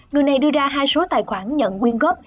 người này đưa ra hai số tài khoản nhận quyên góp